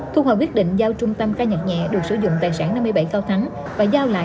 thu hòa quyết định giao trung tâm ca nhạc nhẹ được sử dụng tài sản năm mươi bảy cao thắng và giao lại